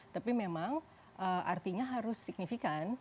tapi memang artinya harus signifikan